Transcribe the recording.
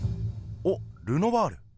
おっルノワール。